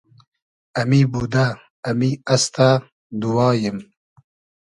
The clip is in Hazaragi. امی بودۂ ، امی استۂ دوواییم